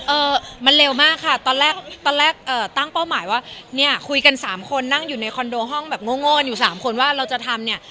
เออมันเร็วมากค่ะตอนแรกตอนแรกเอ่อตั้งเป้าหมายว่าเนี่ยคุยกันสามคนนั่งอยู่ในคอนโดห้องแบบโง่กันอยู่สามคนว่าเราจะทำเนี่ย